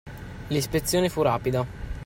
L'ispezione fu rapida.